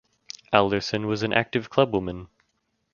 Alderson was an active clubwoman.